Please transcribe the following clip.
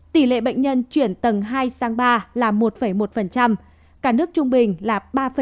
tỷ lệ bệnh nhân chuyển tầng hai sang ba là một một cả nước trung bình là ba bốn